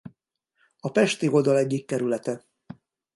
A pesti oldal egyik kerülete.